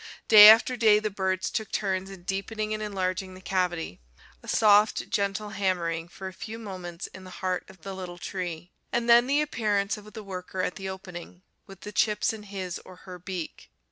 Day after day the birds took turns in deepening and enlarging the cavity: a soft, gentle hammering for a few moments in the heart of the little tree, and then the appearance of the worker at the opening, with the chips in his, or her, beak.